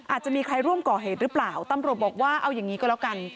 อาจจะมีใครร่วมก่อเหตุหรือเปล่าตำรวจบอกว่าเอาอย่างนี้ก็แล้วกัน